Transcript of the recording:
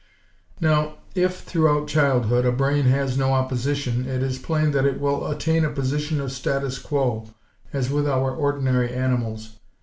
Now, if, throughout childhood, a brain has no opposition, it is plain that it will attain a position of "status quo," as with our ordinary animals.